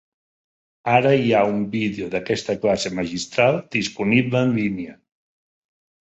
Ara hi ha un vídeo d'aquesta classe magistral disponible en línia.